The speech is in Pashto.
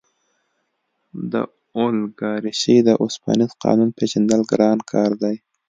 د اولیګارشۍ د اوسپنیز قانون پېژندل ګران کار دی.